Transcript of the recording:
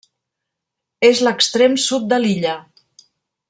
És l'extrem sud de l'illa.